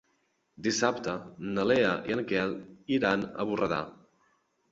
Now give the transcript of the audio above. Dissabte na Lea i en Quel iran a Borredà.